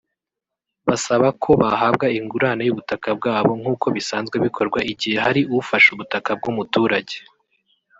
Basaba ko bahabwa ingurane y’ubutaka bwabo nk’uko bisanzwe bikorwa igihe hari ufashe ubutaka bw’umuturage